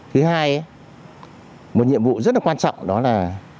thứ hai một nhiệm vụ rất là quan trọng đó là